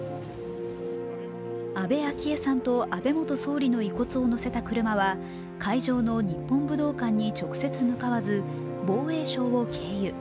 安倍昭恵さんと安倍元総理の遺骨を載せた車は会場の日本武道館に直接向かわず、防衛省を経由。